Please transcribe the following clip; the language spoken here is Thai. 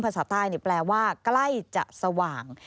ภาษาใต้แปลว่าใกล้จะสว่าง